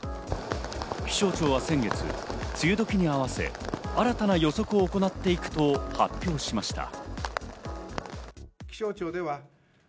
気象庁は先月、梅雨時に合わせ、新たな予測を行っていくと発表しました。